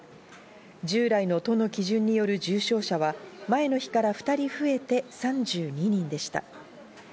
従来の都の基準による重症者は前の日から２人増えて３２人でした。